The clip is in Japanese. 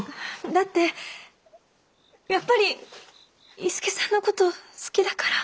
だってやっぱり伊助さんの事好きだから。